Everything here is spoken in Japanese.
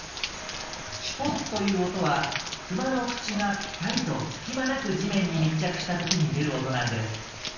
シュポッという音はクマの口がぴたりと隙間なく地面に密着した時に出る音なんです。